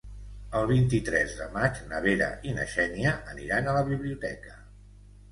El vint-i-tres de maig na Vera i na Xènia aniran a la biblioteca.